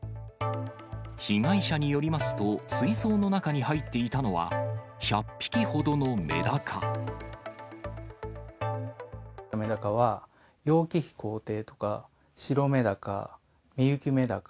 被害者によりますと、水槽の中に入っていたのは、メダカは、楊貴妃紅帝とか、シロメダカ、ミユキメダカ。